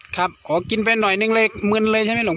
อ๋อกินไปหน่อยเนี่ยเหมือนเลยใช่ไหมหลวงพ่อ